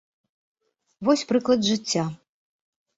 Вось прыклад з жыцця.